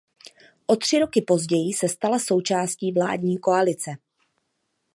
O tři roky později se stala součástí vládní koalice.